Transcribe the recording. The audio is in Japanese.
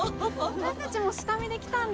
私たちも下見で来たんです。